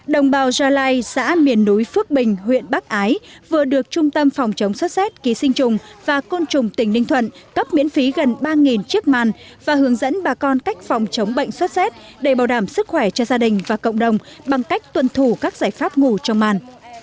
đồng bào gia lai xã miền núi phước bình huyện bắc ái vừa được trung tâm phòng chống sốt xét ký sinh trùng và côn trùng tỉnh ninh thuận cấp miễn phí gần ba chiếc màn và hướng dẫn bà con cách phòng chống bệnh sốt xét để bảo đảm sức khỏe cho gia đình và cộng đồng bằng cách tuân thủ các giải pháp ngủ trong màn